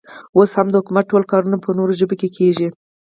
اوس هم د حکومت ټول کارونه په نورو ژبو کې کېږي.